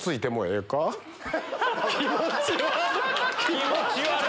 気持ち悪い！